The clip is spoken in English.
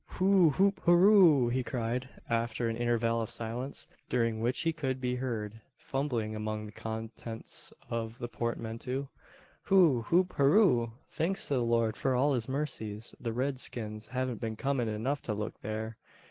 "Hoo hoop hoorro!" he cried, after an interval of silence, during which he could be heard fumbling among the contents of the portmanteau. "Hoo hoop hoorro! thanks to the Lord for all his mercies. The rid skins haven't been cunnin' enough to look thare.